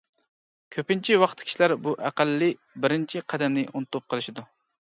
كۆپىنچە ۋاقىتتا كىشىلەر بۇ ئەقەللىي بىرىنچى قەدەمنى ئۇنتۇپ قېلىشىدۇ.